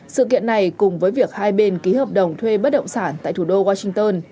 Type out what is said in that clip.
sự kiện này cùng với việc hai bên ký hợp đồng thuê bất động sản tại thủ đô washington